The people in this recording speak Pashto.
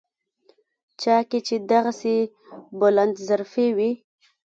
چا کې چې دغسې بلندظرفي وي.